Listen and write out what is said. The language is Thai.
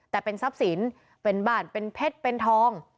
แต่เป็นทรัพย์สินเป็นบ้านเป็นเพชรเป็นทอง